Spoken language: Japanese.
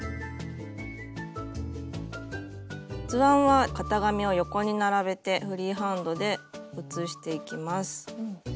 図案は型紙を横に並べてフリーハンドで写していきます。